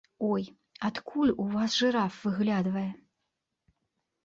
Ой, адкуль у вас жыраф выглядвае!